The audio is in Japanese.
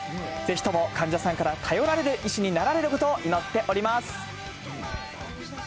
ぜひとも患者さんから頼られる医師になられることを祈っております。